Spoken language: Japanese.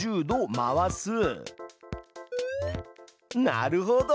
なるほど！